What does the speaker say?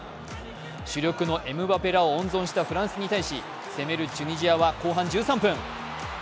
主力のエムバペらを温存したフランスに対し攻めるチュニジアは後半１３分。